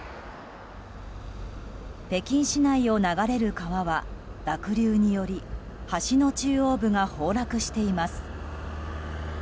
北京市内を流れる川は濁流により橋の中央部が崩落しています。